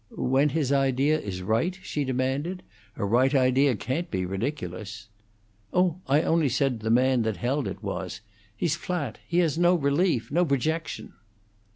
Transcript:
"When his idea is right?" she demanded. "A right idea can't be ridiculous." "Oh, I only said the man that held it was. He's flat; he has no relief, no projection."